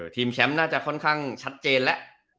ทีมแชมป์น่าจะค่อนข้างชัดเจนแล้ว